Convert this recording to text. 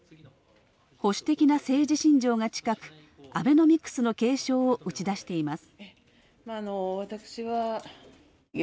保守的な政治信条が近くアベノミクスの継承を打ち出しています。